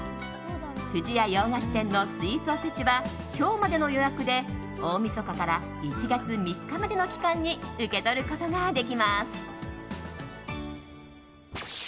不二家洋菓子店のスイーツおせちは今日までの予約で大みそかから１月３日までの期間に受け取ることができます。